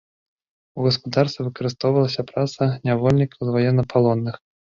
У гаспадарцы выкарыстоўвалася праца нявольнікаў з ваеннапалонных.